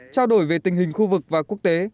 trao đổi về tình hình khu vực và quốc tế